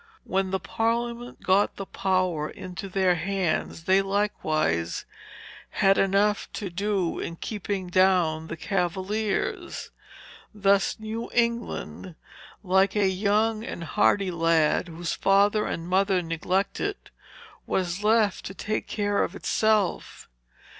When the Parliament got the power into their hands, they likewise had enough to do in keeping down the Cavaliers. Thus New England, like a young and hardy lad, whose father and mother neglect it, was left to take care of itself.